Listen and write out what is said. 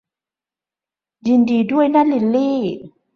ยินดีด้วยนะลิลลี่